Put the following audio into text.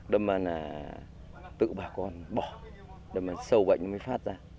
đó mà là tự bà con bỏ đó mà sâu bệnh mới phát ra